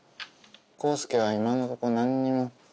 康助は今のとこ何にも。